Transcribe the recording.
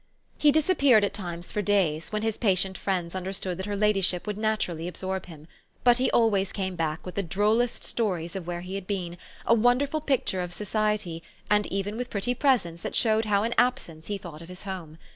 He disappeared at times for days, when his patient friends understood that her ladyship would naturally absorb him; but he always came back with the drollest stories of where he had been, a wonderful picture of society, and even with pretty presents that showed how in absence he thought of his home.